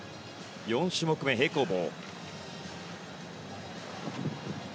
４種目め、平行棒。